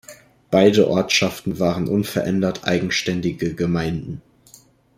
Beide Ortschaften waren unverändert eigenständige Gemeinden.